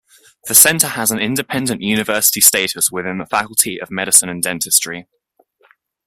This centre has an independent University status within the Faculty of Medicine and Dentistry.